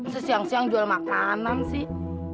sesiang siang jual makanan sih